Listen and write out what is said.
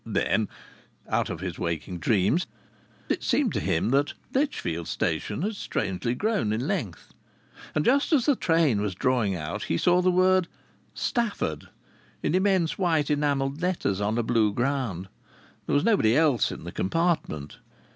Then (out of his waking dreams) it seemed to him that Lichfield Station had strangely grown in length, and just as the train was drawing out he saw the word "Stafford" in immense white enamelled letters on a blue ground. There was nobody else in the compartment.